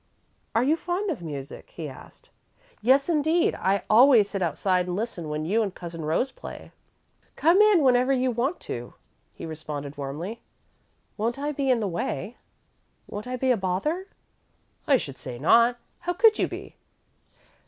"Are you fond of music?" he asked. "Yes, indeed! I always sit outside and listen when you and Cousin Rose play." "Come in whenever you want to," he responded, warmly. "Won't I be in the way? Won't I be a bother?" "I should say not. How could you be?"